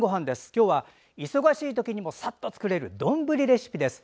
今日は忙しいときにもさっと作れる丼レシピです。